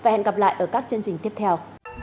hẹn gặp lại ở các chương trình tiếp theo